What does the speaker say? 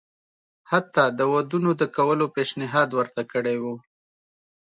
حتی د ودونو د کولو پېشنهاد ورته کړی وو.